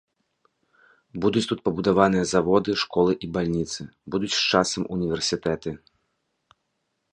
Будуць тут пабудаваныя заводы, школы і бальніцы, будуць з часам універсітэты.